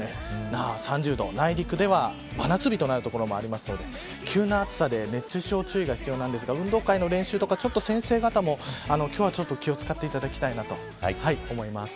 那覇３０度内陸では真夏日となる所もあるので急な暑さで熱中症に注意が必要ですが運動会の準備とか、今日は先生方も気を使っていただきたいと思います。